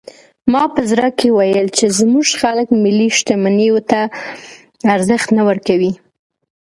ما په زړه کې ویل چې زموږ خلک ملي شتمنیو ته ارزښت نه ورکوي.